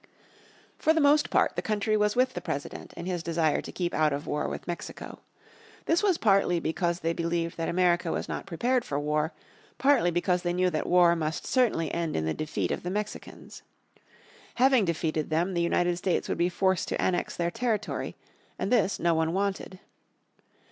For the most part the country was with the President in his desire to keep out of war with Mexico. This was partly because they believed that America was not prepared for war, partly because they knew that war must certainly end in the defeat of the Mexicans. Having defeated them the United States would be forced to annex their territory, and this no one wanted.